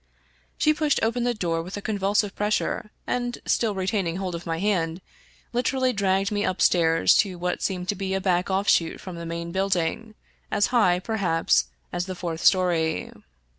She pushed the door open with a convulsive pressure, and, still retaining hold of my hand, literally dragged me upstairs to what seemed to be a back offshoot from the main building, as high, perhaps, as the fourth story.